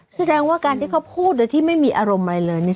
แสดงว่าการที่เขาพูดโดยที่ไม่มีอารมณ์อะไรเลยเนี่ย